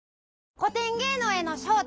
「古典芸能への招待」